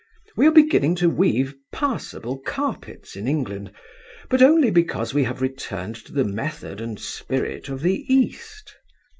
We are beginning to weave possible carpets in England, but only because we have returned to the method and spirit of the East.